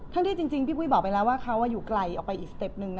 ที่จริงพี่ปุ้ยบอกไปแล้วว่าเขาอยู่ไกลออกไปอีกสเต็ปหนึ่ง